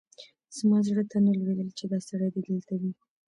زما زړه ته نه لوېدل چې دا سړی دې دلته وي.